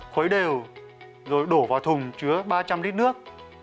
khối đều rồi đổ vào thùng chứa ba trăm linh lít nước